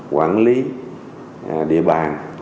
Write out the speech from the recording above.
quản lý địa bàn